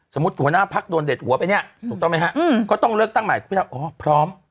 สมมุติหัวหน้าพักโดนเด็ดหัวไปนี่ถูกต้องไหมครับก็ต้องเลือกตั้งใหม่